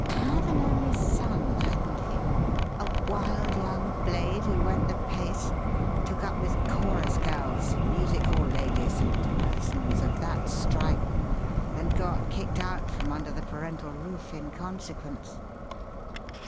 Had an only son, hadn't he? a wild young blade who went the pace: took up with chorus girls, music hall ladies, and persons of that stripe, and got kicked out from under the parental roof in consequence."